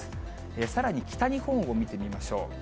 さらに、北日本を見てみましょう。